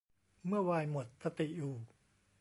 เมื่อไวน์หมดสติอยู่